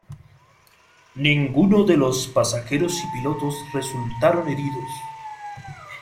Ninguno de los pasajeros y pilotos resultaron heridos.